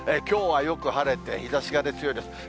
きょうはよく晴れて、日ざしが強いです。